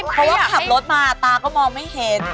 เพราะว่าขับรถมาตาก็มองไม่เห็น